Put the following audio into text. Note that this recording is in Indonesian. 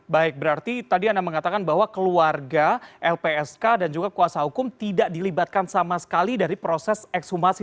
baik berarti tadi anda mengatakan bahwa keluarga lpsk dan juga kuasa hukum tidak dilibatkan sama sekali dari proses ekshumasi